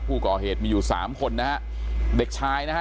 ผู้ก่อเหตุมีอยู่สามคนนะฮะเด็กชายนะฮะ